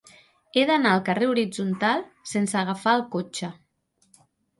He d'anar al carrer Horitzontal sense agafar el cotxe.